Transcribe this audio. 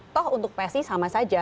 toh untuk psi sama saja